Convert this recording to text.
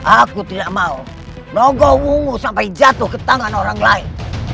aku tidak mau logo wumu sampai jatuh ke tangan orang lain